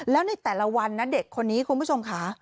แล้วในแต่ละวันนะเด็กคนนี้คุณผู้ชมค่ะ